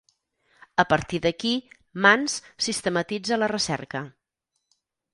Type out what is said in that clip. A partir d'aquí Mans sistematitza la recerca.